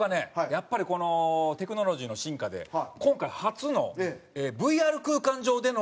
やっぱりこのテクノロジーの進化で今回初のＶＲ空間上での家電学会。